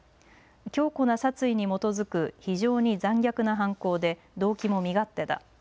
強固な殺意に基づく非常に残虐な犯行で動機も身勝手だ。